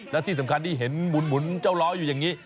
และที่สำคัญที่เห็นหมุนเจ้าล้ออยู่อย่างนี้